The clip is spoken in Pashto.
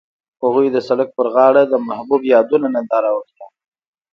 هغوی د سړک پر غاړه د محبوب یادونه ننداره وکړه.